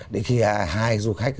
đến khi hai du khách